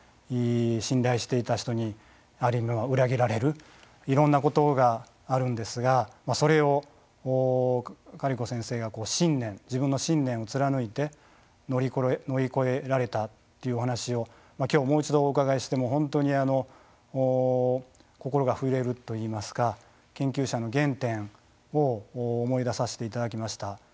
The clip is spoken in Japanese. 信頼していた人にある意味では裏切られるいろんなことがあるんですがそれをカリコ先生が自分の信念を貫いて乗り越えられたというお話をもう一度お伺いしてもう本当に心が震えるといいますか研究者の原点を思い出せていただきました。